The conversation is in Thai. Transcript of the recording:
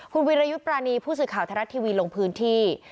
คุณวิรยุทธ์ปรานีผู้สื่อข่าวไทยรัฐทีวีลงพื้นที่